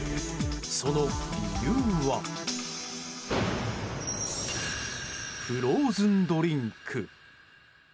その理由はフローズンドリンク。